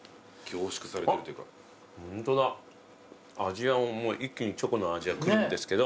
味はもう一気にチョコの味がくるんですけど。